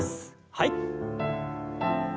はい。